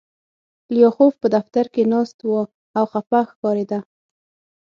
لیاخوف په دفتر کې ناست و او خپه ښکارېده